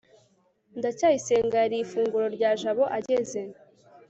ndacyayisenga yariye ifunguro rya jabo ageze